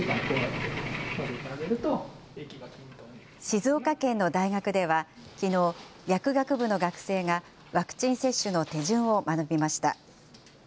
静岡県の大学では、きのう、薬学部の学生がワクチン接種の手順を学びました。